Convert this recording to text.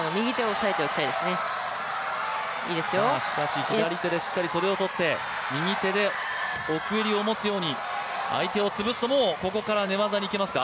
しかし左手でしっかり袖を取って、右手で奥襟をつかむように相手を潰すと、もうここから寝技にいきますか。